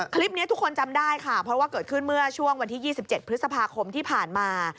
คลิปนี้ทุกคนจำได้ค่ะเพราะว่าเกิดขึ้นเมื่อช่วงวันที่๒๗พฤษภาคมที่ผ่านมา